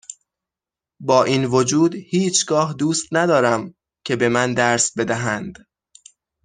با این وجود هیچگاه دوست ندارم که به من درس بدهند